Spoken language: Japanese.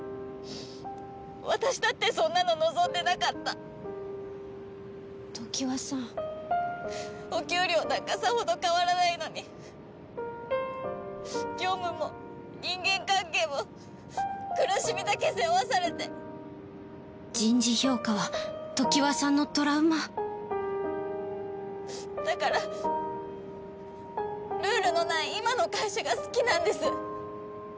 私だってそんなの望んでなかった常盤さんお給料なんかさほど変わらないのに業務も人間関係も苦しみだけ背負わされてだからルールのない今の会社が好きなんです